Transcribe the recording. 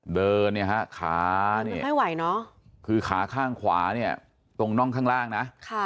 เดินค้ามันไม่ไหวเนอะคือค้าข้างขวาเนี่ยตรงน่องข้างล่างนะ